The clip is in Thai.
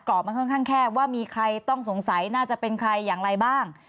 มันค่อนข้างแคบว่ามีใครต้องสงสัยน่าจะเป็นใครอย่างไรบ้าง